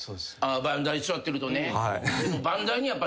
番台座ってるとね。